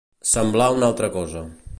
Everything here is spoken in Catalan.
Semblar una altra cosa.